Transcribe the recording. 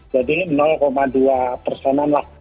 jadi dua persenan lah